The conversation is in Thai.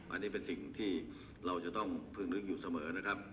อันนี้เป็นสิ่งที่เราจะต้องพึงลึกอยู่เสมอนะครับ